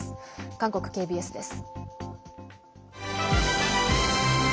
韓国ＫＢＳです。